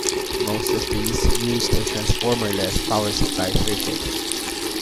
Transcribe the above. Most of these used a transformerless power supply circuit.